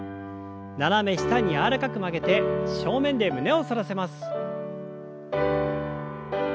斜め下に柔らかく曲げて正面で胸を反らせます。